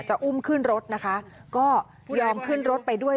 อุ้มขึ้นรถนะคะก็ยอมขึ้นรถไปด้วย